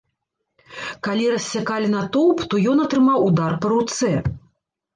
Калі рассякалі натоўп, то ён атрымаў удар па руцэ.